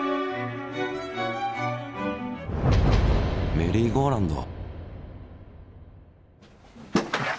メリーゴーラウンド？